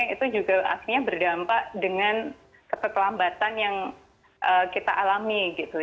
itu juga akhirnya berdampak dengan kekelambatan yang kita alami gitu